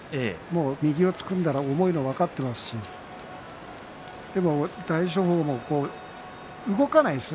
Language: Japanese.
右をつかんだら重いのが分かっていますし大翔鵬も動かないですね。